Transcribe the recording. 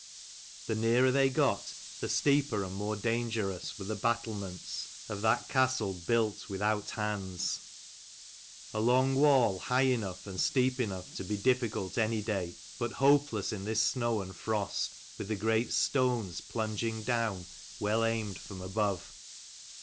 The nearer they got, the steeper and more dangerous were the battlements of 276 that castle built without hands : a long wall, high enough and steep enough to be difficult any day, but hopeless in this snow and frost, with the great stones plunging down, well aimed from above.